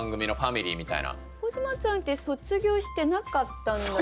小島ちゃんって卒業してなかったんだっけ？